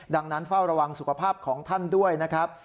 ดังนั้นเฝ้าระวังสุขภาพของท่านด้วยนะครับ